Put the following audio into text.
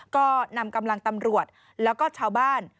ก็นำกำลังตำรวจแล้วก็ชาวบ้าน